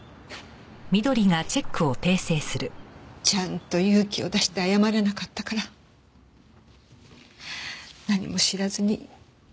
ちゃんと勇気を出して謝れなかったから何も知らずに逝ってしまったのよね